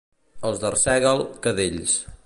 Els d'Arsèguel, cadells.